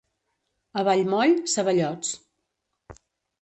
A Vallmoll, ceballots.